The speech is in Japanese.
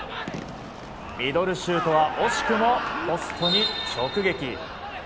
ミドルシュートは惜しくもポスト直撃。